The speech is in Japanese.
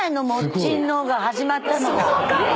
もっちんのが始まったのが。